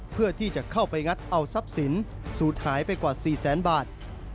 เพื่อที่จะเข้าไปงัดเอาทรัพย์สินสูดหายไปกว่า๔แสนบาท